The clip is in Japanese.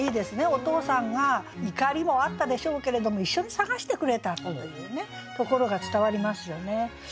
お父さんが怒りもあったでしょうけれども一緒に探してくれたというところが伝わりますよね。